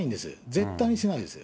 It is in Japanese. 絶対にしないです。